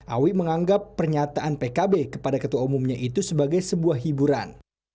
awi menganggap pernyataan pkb kepada ketua umumnya itu sebagai sebuah hiburan